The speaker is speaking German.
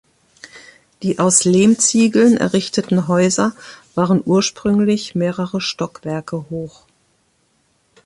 Die aus Lehmziegeln errichteten Häuser waren ursprünglich mehrere Stockwerke hoch.